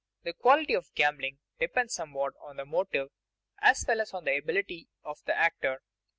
The quality of gambling depends somewhat on the motive as well as on the ability of the actor.